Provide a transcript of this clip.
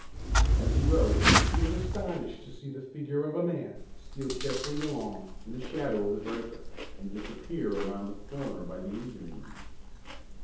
As he rose, he was astonished to see the figure of a man steal carefully along in the shadow of the breaker, and disappear around the corner by the engine room.